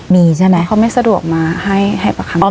มีใช่ไหมเขาไม่สะดวกมาให้ประคัง